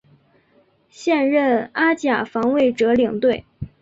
现任阿甲防卫者领队。